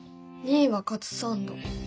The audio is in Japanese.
２位はカツサンド。